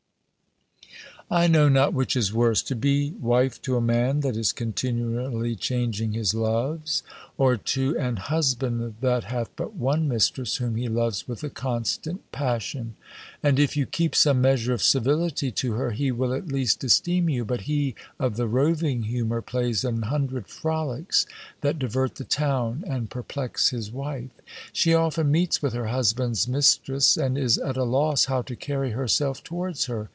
I know not which is worse, to be wife to a man that is continually changing his loves, or to an husband that hath but one mistress whom he loves with a constant passion. And if you keep some measure of civility to her, he will at least esteem you; but he of the roving humour plays an hundred frolics that divert the town and perplex his wife. She often meets with her husband's mistress, and is at a loss how to carry herself towards her.